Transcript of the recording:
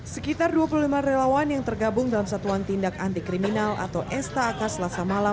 sekitar dua puluh lima relawan yang tergabung dalam satuan tindak antikriminal atau stak selasa malam